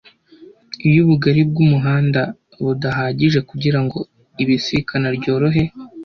Iyo ubugari bw'umuhanda budahagije kugira ngo ibisikana ryorohe